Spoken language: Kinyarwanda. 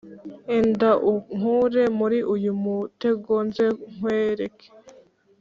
enda unkure muri uyu mutego nze nkwereke